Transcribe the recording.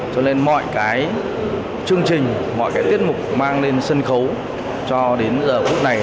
cho nên mọi cái chương trình mọi cái tiết mục mang lên sân khấu cho đến giờ phút này